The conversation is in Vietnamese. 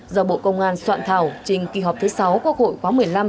do bộ công an soạn thảo trình kỳ họp thứ sáu quốc hội khóa một mươi năm